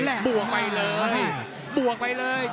แรกมากบวกไปเลยบวกไปเลย